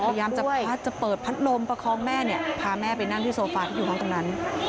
พยายามจะพัดจะเปิดพัดลมประคองแม่เนี่ยพาแม่ไปนั่งที่โซฟาที่อยู่ห้องตรงนั้น